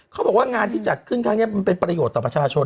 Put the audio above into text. เขาบอกว่างานที่จัดขึ้นครั้งนี้มันเป็นประโยชน์ต่อประชาชน